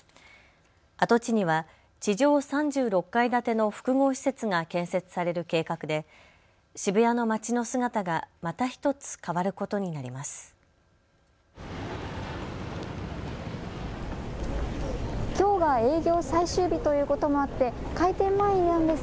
跡地には地上３６階建ての複合施設が建設される計画で渋谷の街の姿がまたひとつ変わることになります。